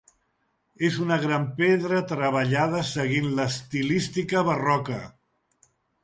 És una gran pedra treballada seguint l'estilística barroca.